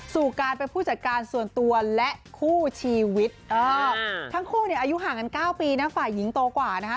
สู่การเป็นผู้จัดการส่วนตัวและคู่ชีวิตทั้งคู่เนี่ยอายุห่างกัน๙ปีนะฝ่ายหญิงโตกว่านะคะ